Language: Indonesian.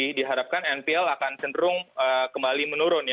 jadi diharapkan npl akan cenderung kembali menurun